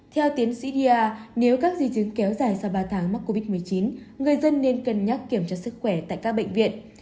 theo tiến sĩ dia nếu các di chứng kéo dài sau ba tháng mắc covid một mươi chín người dân nên cân nhắc kiểm tra sức khỏe tại các bệnh viện